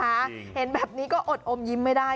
เห็นแบบนี้ก็อดอมยิ้มไม่ได้